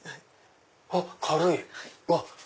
あっ軽い！